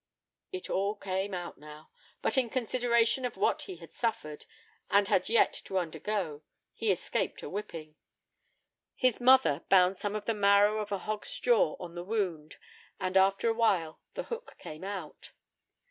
It all came out now; but in consideration of what he had suffered, and had yet to undergo, he escaped a whipping. His mother bound some of the marrow of a hog's jaw on the wound, and, after a while, the hook came out.